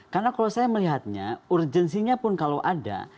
karena kalau saya melihatnya urgensinya pun kalau ada